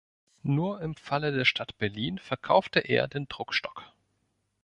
Nur im Falle der Stadt Berlin verkaufte er den Druckstock.